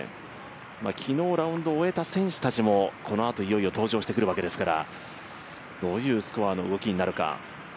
昨日、ラウンドを終えた選手たちもこのあといよいよ登場してくるわけですからどういうスコアの動きになるか。